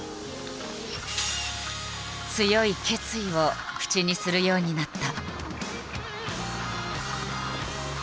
強い決意を口にするようになった。